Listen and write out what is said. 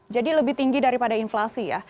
jadi lebih tinggi daripada inflasi ya